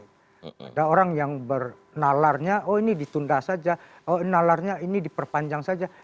ada orang yang bernalarnya oh ini ditunda saja oh nalarnya ini diperpanjang saja